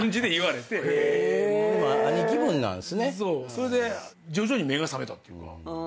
それで徐々に目が覚めたっていうか。